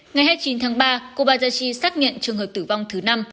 ngày hai mươi chín tháng ba kobazachi xác nhận trường hợp tử vong thứ năm